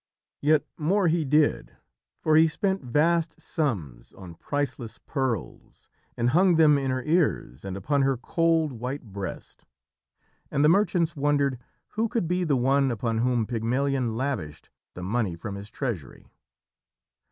Yet more he did, for he spent vast sums on priceless pearls and hung them in her ears and upon her cold white breast; and the merchants wondered who could be the one upon whom Pygmalion lavished the money from his treasury.